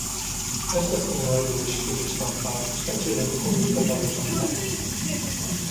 Esta senhora do vestido estampado está tirando comida para o jantar.